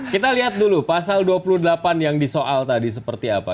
kita lihat dulu pasal dua puluh delapan yang disoal tadi seperti apa